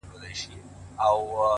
د پریان لوري! د هرات او ګندارا لوري!